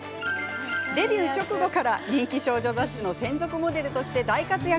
デビュー直後から人気少女雑誌の専属モデルとして大活躍。